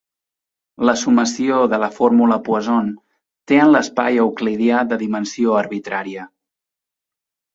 La sumació de la fórmula Poisson té en l'espai euclidià de dimensió arbitrària.